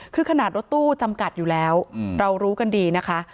คือขนาดรถตู้จำกัดอยู่แล้วเรารู้กันดีนะคะ